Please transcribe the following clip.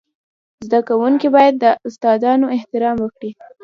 زده کوونکي باید د استادانو احترام وکړي.